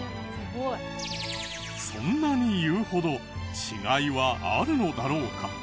そんなに言うほど違いはあるのだろうか？